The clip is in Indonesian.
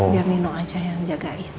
biar nino aja yang jagain